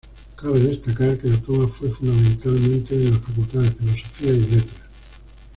Cabe destacar que la toma fue fundamentalmente en la facultad de filosofía y letras.